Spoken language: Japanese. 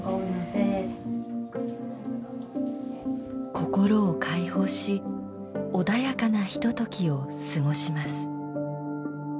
心を解放し穏やかなひとときを過ごします。